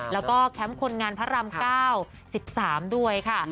แล้วก็แคมป์คนงานพระราม๙๑๓ด้วยค่ะ